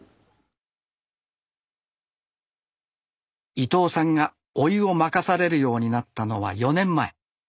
伊藤さんがお湯を任されるようになったのは４年前。